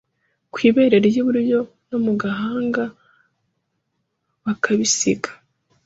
ku ibere ry’iburyo no mu gahanga bakabisiga